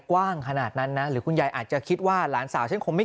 กว้างขนาดนั้นนะหรือคุณยายอาจจะคิดว่าหลานสาวฉันคงไม่